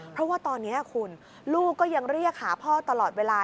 เพราะว่าตอนนี้คุณลูกก็ยังเรียกหาพ่อตลอดเวลา